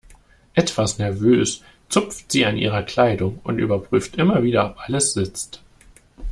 Etwas nervös zupft sie an ihrer Kleidung und überprüft immer wieder, ob alles sitzt.